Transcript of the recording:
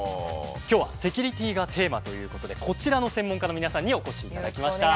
今日はセキュリティーがテーマということでこちらの専門家の皆さんにお越しいただきました。